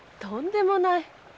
とんでもない。